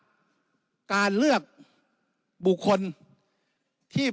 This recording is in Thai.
แต่การเลือกนายกรัฐมนตรี